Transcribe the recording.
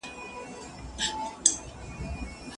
ووایي نو ډېر ګټور دی.